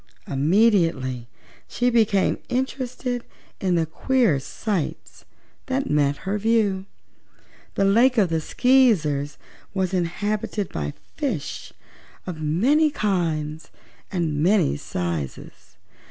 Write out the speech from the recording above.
Immediately she became interested in the queer sights that met her view. The Lake of the Skeezers was inhabited by fishes of many kinds and many sizes.